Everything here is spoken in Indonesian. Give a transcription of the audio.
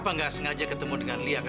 programsnya agak rajin tak ada apa apa